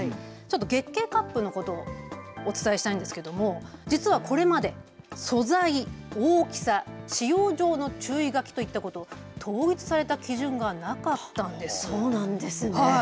月経カップのことをお伝えしたいんですけれど実は、これまで素材、大きさ使用上の注意書きといったこと統一された基準がなかったんです。